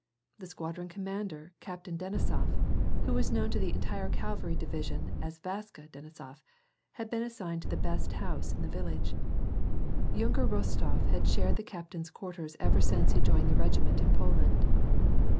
The squadron commander, Captain Denisof, who was known to the entire cavalry division as Vaska Denisof, had been as signed to the best house in the village. Yunker Rostof had shared the captain's quarters ever since he joined the regiment in Poland.